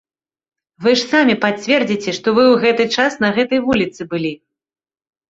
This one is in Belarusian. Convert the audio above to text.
Вы ж самі пацвердзіце, што вы ў гэты час на гэтай вуліцы былі.